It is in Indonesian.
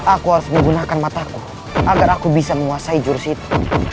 aku harus menggunakan mataku agar aku bisa menguasai jurus itu